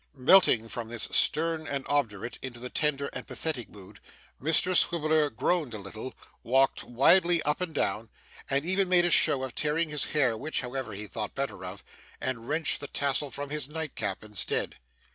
Melting from this stern and obdurate, into the tender and pathetic mood, Mr Swiveller groaned a little, walked wildly up and down, and even made a show of tearing his hair, which, however, he thought better of, and wrenched the tassel from his nightcap instead.